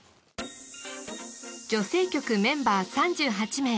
女性局メンバー３８名